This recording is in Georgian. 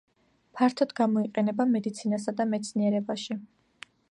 ფართოდ გამოიყენება მედიცინასა და მეცნიერებაში.